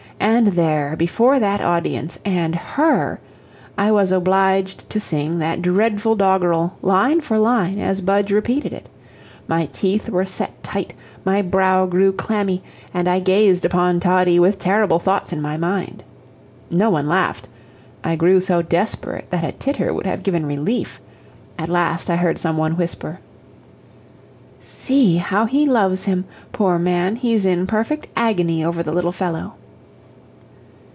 And there, before that audience, and HER, I was obliged to sing that dreadful doggerel, line for line, as Budge repeated it. My teeth were set tight, my brow grew clammy, and I gazed upon Toddie with terrible thoughts in my mind. No one laughed I grew so desperate that a titter would have given relief. At last I heard some one whisper: "SEE how he loves him! Poor man! he's in perfect agony over the little fellow."